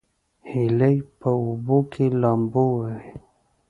هیلۍ په اوبو کې لامبو وهي